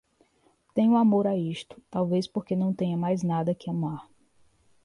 Tenho amor a isto, talvez porque não tenha mais nada que amar